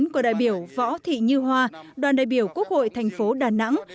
của đại biểu võ thị như hoa đoàn đại biểu quốc hội thành phố đà nẵng